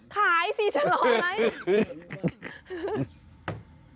สิจะรอไหม